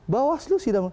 bawas lu sidang